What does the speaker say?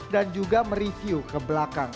dan juga mereview ke belakang